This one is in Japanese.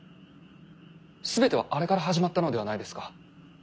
全てはあれから始まったのではないですか。